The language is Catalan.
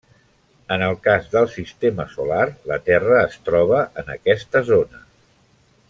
En el cas del sistema solar, la Terra es troba en aquesta zona.